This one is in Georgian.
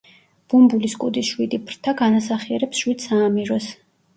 ბუმბულის კუდის შვიდი ფრთა განასახიერებს შვიდ საამიროს.